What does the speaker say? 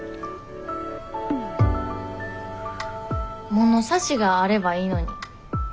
物差しがあればいいのに。